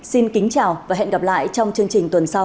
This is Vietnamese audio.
xin kính chào và hẹn gặp lại trong chương trình tuần sau